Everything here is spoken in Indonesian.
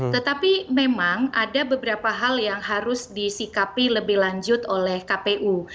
tetapi memang ada beberapa hal yang harus disikapi lebih lanjut oleh kpu